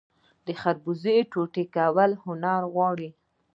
د خربوزې ټوټې کول هنر غواړي.